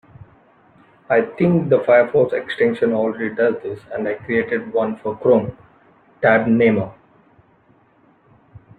I think the Firefox extension already does this, and I created one for Chrome, Tab Namer.